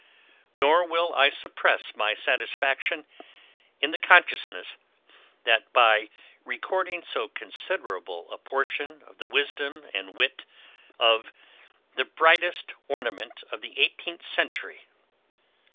Nor will I suppress my satisfaction in the consciousness, that by recording so considerable a portion of the wisdom and wit of 'the brightest ornament of the eighteenth century.'